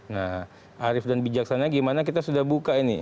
nah arif dan bijaksana gimana kita sudah buka ini